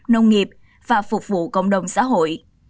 nông nghiệp và phục vụ cộng đồng xã hội